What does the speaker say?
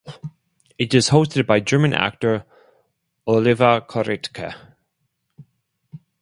It is hosted by German actor Oliver Korittke.